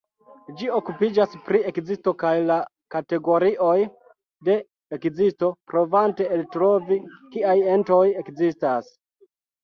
Ĝi okupiĝas pri ekzisto kaj la kategorioj de ekzisto, provante eltrovi kiaj entoj ekzistas.